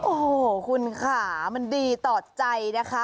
โอ้โหคุณค่ะมันดีต่อใจนะคะ